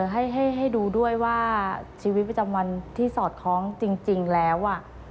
ให้ดูด้วยว่าชีวิตประจำวันที่สอดคล้องจริงแล้ว